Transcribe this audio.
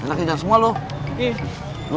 enaknya jangan semua lo